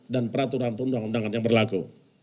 dan peraturan undangan undangan yang berlaku